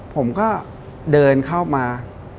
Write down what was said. ผมก็เดินเข้ามา